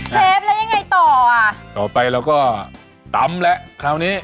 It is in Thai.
เชฟแล้วยังไงต่ออ่ะต่อไปเราก็ตำแล้วคราวนี้